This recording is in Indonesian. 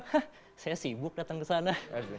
hah saya sibuk datang ke sana